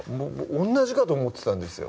同じかと思ってたんですよ